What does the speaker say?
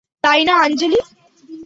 তাই না আঞ্জলি?